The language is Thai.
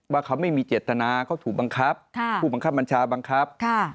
ว่าเขาไม่มีเจตนาเขาถูกบังคับผู้บังคับบัญชาบังคับ